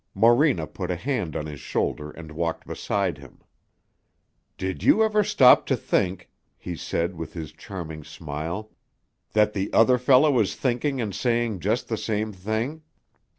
Morena put a hand on his shoulder and walked beside him. "Did you ever stop to think," he said with his charming smile, "that the other fellow is thinking and saying just the same thing?